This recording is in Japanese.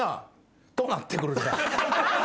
となってくる。